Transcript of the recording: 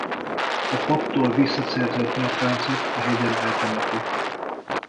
A paptól visszaszerzett nyakláncot a hegyen eltemeti.